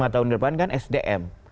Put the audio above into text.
lima tahun ke depan kan sdm